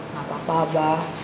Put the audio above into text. nggak papa abah